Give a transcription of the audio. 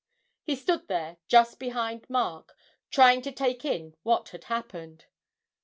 He stood there just behind Mark, trying to take in what had happened.